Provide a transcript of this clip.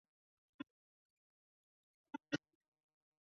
金朝沿置。